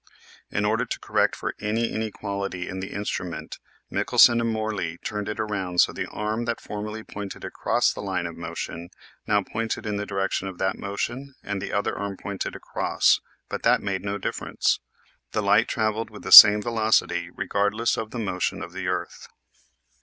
In order to correct for any inequality in the instrument, Michelson and Morley turned it around so the arm that formerly pointed across the line of motion now pointed in the direction of that motion and the other arm pointed across, but that made no difference. The light traveled with the same velocity regardless of the motion of the earth.